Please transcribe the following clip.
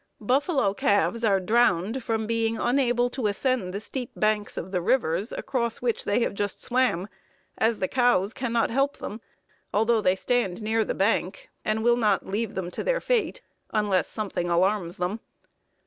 ] "Buffalo calves are drowned from being unable to ascend the steep banks of the rivers across which they have just swam, as the cows cannot help them, although they stand near the bank, and will not leave them to their fate unless something alarms them.